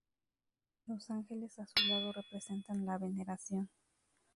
Los ángeles a su lado representan la veneración.